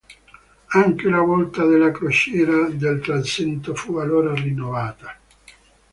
Anche la volta della crociera del transetto fu allora rinnovata.